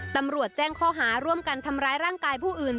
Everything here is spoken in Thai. ตำรวจแจ้งข้อหาร่วมกันทำร้ายร่างกายผู้อื่น